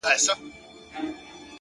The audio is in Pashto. o سري وخت دی ـ ځان له دغه ښاره باسه ـ